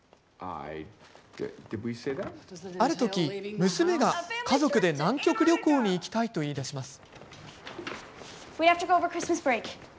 ある時、娘が家族で南極旅行に行きたいと言いだします。